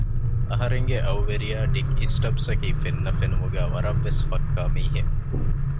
އަހަރެންގެ އައު ވެރިޔާ ޑިކް އިސްޓަބްސް އަކީ ފެންނަ ފެނުމުގައި ވަރަށް ވެސް ފައްކާ މީހެއް